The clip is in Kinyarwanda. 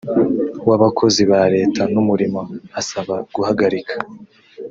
w abakozi ba leta n umurimo asaba guhagarika